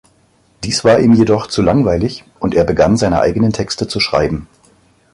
Dies war ihm jedoch zu langweilig, und er begann, seine eigenen Texte zu schreiben.